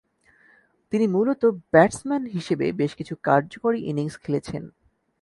তিনি মূলতঃ ব্যাটসম্যান হিসেবে বেশকিছু কার্যকরী ইনিংস খেলেছেন।